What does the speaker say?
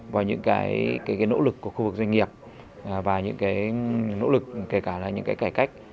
và những nỗ lực của khu vực doanh nghiệp và những nỗ lực kể cả những cải cách